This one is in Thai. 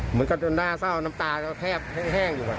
เหมือนก็จนน่าเศร้าน้ำตาก็แคบแห้งอยู่